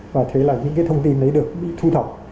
và thế là những cái thông tin đấy được bị thu thọc